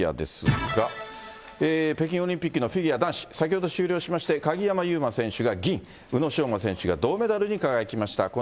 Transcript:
さあ、北京オリンピックのフィギュア男子、先ほど終了しまして、鍵山優真選手が銀、宇野昌磨選手が銅メダルに輝きました。